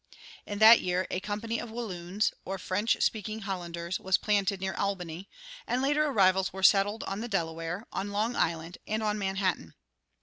In that year a company of Walloons, or French speaking Hollanders, was planted near Albany, and later arrivals were settled on the Delaware, on Long Island, and on Manhattan.